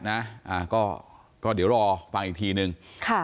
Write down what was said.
อะก็เดี๋ยวรอฟังอีกทีหนึ่ง